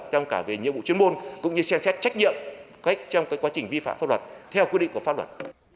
trong cả về nhiệm vụ chuyên môn cũng như xem xét trách nhiệm trong quá trình vi phạm pháp luật theo quy định của pháp luật